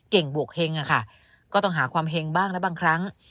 บวกเฮงอะค่ะก็ต้องหาความเห็งบ้างและบางครั้ง